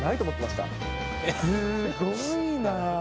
すごいな。